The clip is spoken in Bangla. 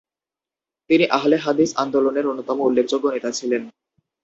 তিনি আহলে হাদিস আন্দোলনের অন্যতম উল্লেখযোগ্য নেতা ছিলেন।